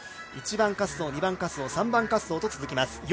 １番滑走、２番滑走、３番滑走と続きます。